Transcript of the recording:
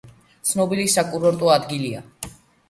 ცნობილი საკურორტო ადგილია.